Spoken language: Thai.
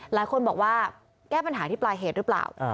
หลายคนบอกว่าแก้ปัญหาที่ปลายเหตุหรือเปล่า